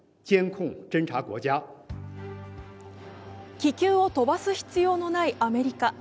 気球を飛ばす必要のないアメリカ。